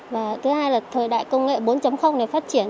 và thứ hai là thời đại công nghệ bốn này phát triển